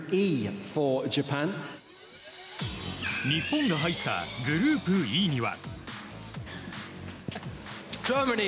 日本が入ったグループＥには。